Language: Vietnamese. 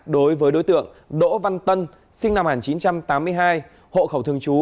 đối với đối tượng đỗ văn tân sinh năm một nghìn chín trăm tám mươi hai hộ khẩu thường trú